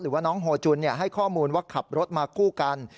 ว่าน้องโฮจุนให้ข้อมูลว่าขับรถมาคู่กัน